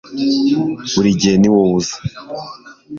burigihe niwowe uza